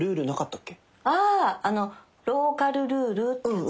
ああの「ローカル・ルール」ってやつ？